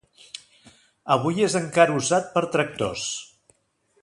Avui és encara usat per tractors.